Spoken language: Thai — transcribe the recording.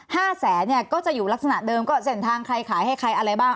ห้าแสนเนี่ยก็จะอยู่ลักษณะเดิมก็เส้นทางใครขายให้ใครอะไรบ้าง